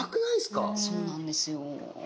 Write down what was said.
そうなんですよ。